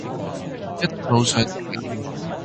約定路上的人，